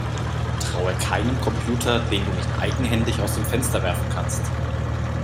Traue keinem Computer, den du nicht eigenhändig aus dem Fenster werfen kannst!